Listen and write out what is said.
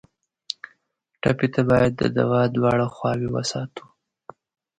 ټپي ته باید د دوا دواړه خواوې وساتو.